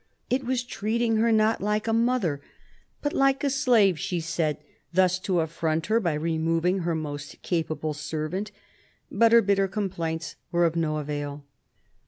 It was treating her not like a mother, but like a slave, she said, thus to affront her by removing her most capable servant. But her bitter complaints were of no avail.